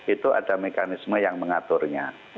itu ada mekanisme yang mengaturnya